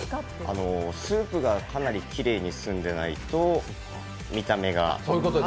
スープがかなりきれいに澄んでないと見た目が。